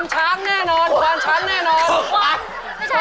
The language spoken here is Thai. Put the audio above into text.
ช้างแน่นอนควานช้างแน่นอน